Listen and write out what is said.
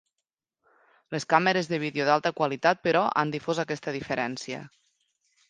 Les càmeres de vídeo d'alta qualitat, però, han difós aquesta diferència.